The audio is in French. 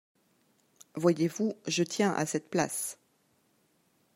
Voyez-vous, je tiens à cette place.